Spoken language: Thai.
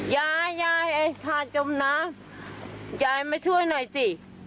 ยายยายไอ้ขาจมน้ำยายมาช่วยหน่อยสิ